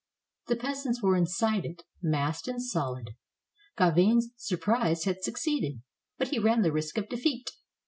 The peasants were inside it, massed and solid. Gauvain's surprise had succeeded, but he ran the risk of defeat.